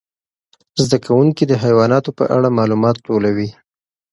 زده کوونکي د حیواناتو په اړه معلومات ټولوي.